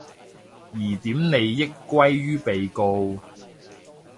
疑點利益歸於被告